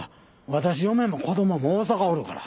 私嫁も子どもも大阪おるから。